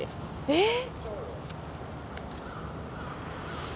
えっ？